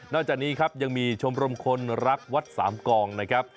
จากนี้ครับยังมีชมรมคนรักวัดสามกองนะครับ